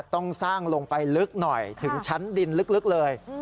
ต้องสร้างลงไปลึกหน่อยถึงชั้นดินลึกเลย